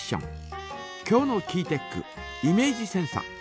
今日のキーテックイメージセンサ。